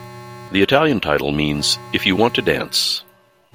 The Italian title means "If you want to dance".